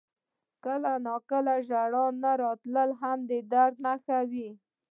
• کله ناکله ژړا نه راتلل هم د درد نښه وي.